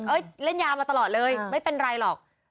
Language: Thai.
เล่นยามาตลอดเลยไม่เป็นไรหรอก